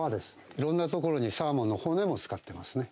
いろんな所にサーモンの骨も使ってますね。